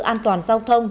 an toàn giao thông